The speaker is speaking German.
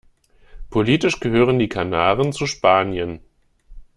Politisch gehören die Kanaren zu Spanien.